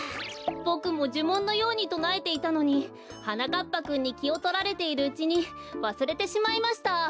ボクもじゅもんのようにとなえていたのにはなかっぱくんにきをとられているうちにわすれてしまいました！